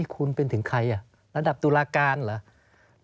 คุณเป็นถึงใครระดับตุลาการเหรอ